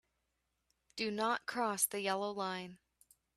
Do not cross the yellow line.